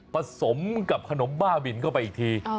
สมกับขนมบ้าบินเข้าไปอีกที